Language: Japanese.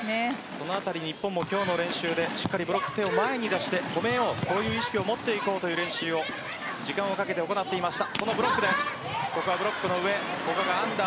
その辺りに日本も今日の練習でブロック前に出して止めようという意識を持っていこうという練習を時間をかけて行っていました。